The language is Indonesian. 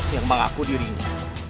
yang mengaku dirinya